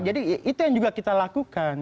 jadi itu yang juga kita lakukan